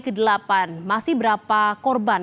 ke delapan masih berapa korban